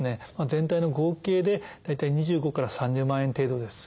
全体の合計で大体２５から３０万円程度です。